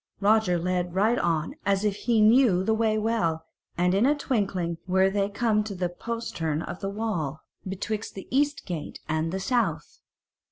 Roger led right on as if he knew the way well, and in a twinkling were they come to a postern in the wall betwixt the East Gate and the South.